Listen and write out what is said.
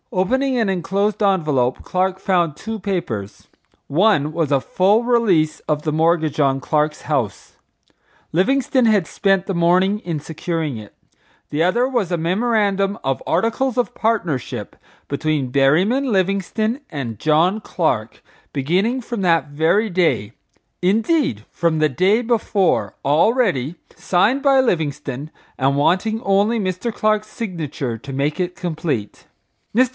Opening an enclosed envelope, Clark found two papers. One was a full release of the mortgage on Clark's house (Livingstone had spent the morning in securing it), the other was a Memorandum of "Articles of Partnership" between Berryman Livingstone and John Clark, beginning from that very day,—indeed, from the day before,—all ready, signed by Livingstone and wanting only Mr. Clark's signature to make it complete. Mr.